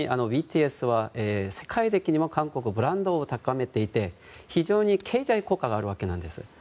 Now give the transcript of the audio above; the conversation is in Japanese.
特にＢＴＳは世界的にも韓国ブランドを高めていて非常に経済効果があるわけなんです。